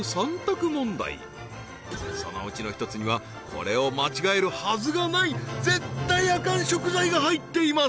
そのうちの１つにはこれを間違えるはずがない絶対アカン食材が入っています